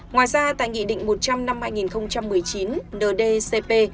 ngoài ra tại nghị định một trăm linh năm hai nghìn một mươi chín ndcp